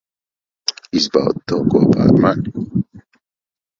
Izbaudi to kopā ar mani.